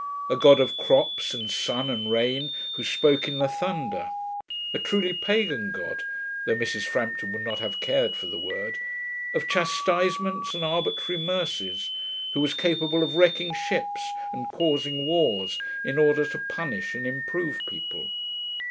A God of crops and sun and rain, who spoke in the thunder; a truly pagan God (though Mrs. Frampton would not have cared for the word), of chastisements and arbitrary mercies, who was capable of wrecking ships and causing wars, in order to punish and improve people.